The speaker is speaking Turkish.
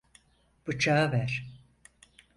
Bıçağı ver.